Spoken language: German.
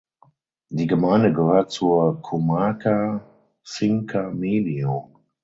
Die Gemeinde gehört zur Comarca Cinca Medio.